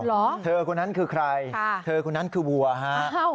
เหรอเธอคนนั้นคือใครเธอคนนั้นคือวัวฮะ